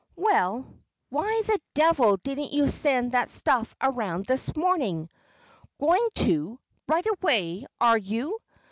Well, why the devil didn't you send that stuff around this morning? Going to, right away, are you?